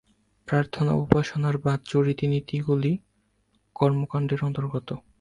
প্রার্থনা ও উপাসনার বাহ্য রীতিনীতিগুলি কর্মকাণ্ডের অন্তর্গত।